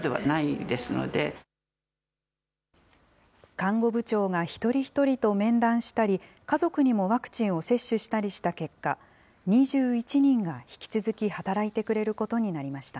看護部長が一人一人と面談したり、家族にもワクチンを接種したりした結果、２１人が引き続き働いてくれることになりました。